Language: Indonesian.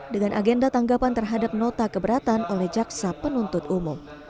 dengan agenda tanggapan terhadap nota keberatan oleh jaksa penuntut umum